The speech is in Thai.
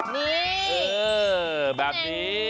นี่เออแบบนี้